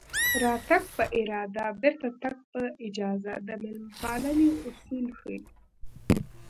راتګ په اراده بېرته تګ په اجازه د مېلمه پالنې اصول ښيي